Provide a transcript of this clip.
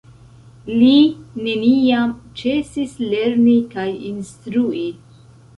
Li neniam ĉesis lerni kaj instrui.